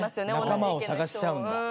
仲間を探しちゃうんだ。